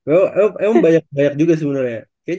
emang banyak juga sebenernya